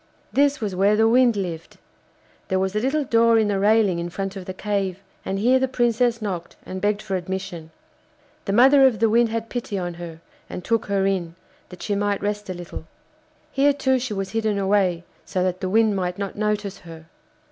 This was where the Wind lived. There was a little door in the railing in front of the cave, and here the Princess knocked and begged for admission. The mother of the Wind had pity on her and took her in, that she might rest a little. Here too she was hidden away, so that the Wind might not notice her.